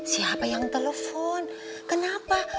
siapa yang telpon kenapa